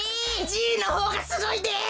じいのほうがすごいです。